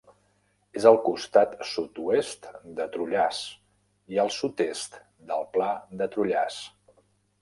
És al costat sud-oest de Trullars i al sud-est del pla de Trullars.